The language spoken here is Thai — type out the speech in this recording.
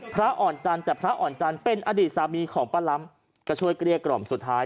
พระอ่อนจันทร์แต่พระอ่อนจันทร์เป็นอดีตสามีของป้าล้ำก็ช่วยเกลี้ยกล่อมสุดท้าย